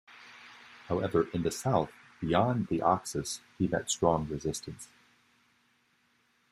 However, in the south, beyond the Oxus, he met strong resistance.